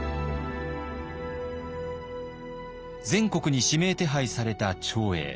全国に指名手配された長英。